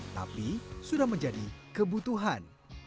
tapi sudah menjadi kebutuhan